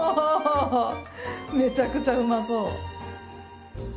めちゃくちゃうまそう。